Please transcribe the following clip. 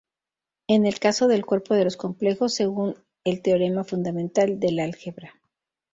Es el caso del cuerpo de los complejos, según el Teorema Fundamental del Álgebra.